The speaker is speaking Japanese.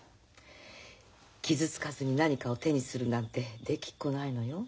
傷つかずに何かを手にするなんてできっこないのよ。